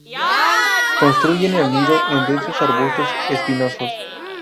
Construyen el nido en densos arbustos espinosos.